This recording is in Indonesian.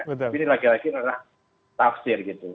ini lagi lagi adalah tafsir gitu